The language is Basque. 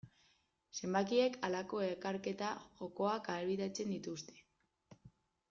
Zenbakiek halako erkaketa jokoak ahalbidetzen dituzte.